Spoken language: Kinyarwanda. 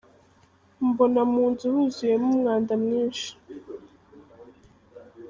Mbona mu nzu huzuyemo umwanda mwinshi.